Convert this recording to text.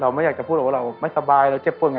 ไม่อยากจะพูดหรอกว่าเราไม่สบายเราเจ็บปวดไง